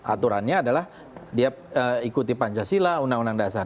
aturannya adalah dia ikuti pancasila undang undang dasar